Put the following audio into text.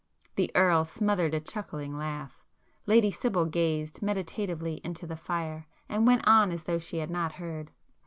The Earl smothered a chuckling laugh,—Lady Sibyl gazed meditatively into the fire and went on as though she had not heard.